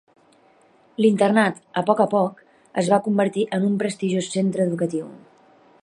L'internat, a poc a poc, es va convertir en un prestigiós centre educatiu.